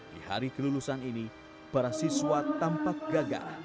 di hari kelulusan ini para siswa tampak gagal